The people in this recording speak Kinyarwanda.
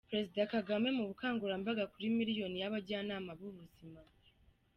Perezida Kagame mu ’Bukangurambaga kuri miliyoni y’abajyanama b’ubuzima’